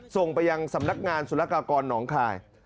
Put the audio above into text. ส่งไปยังสำนักงานสุรกากรหนองคาย